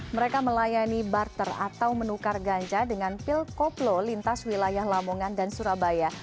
mereka melayani barter atau menukar ganja dengan pil koplo lintas wilayah lamongan dan surabaya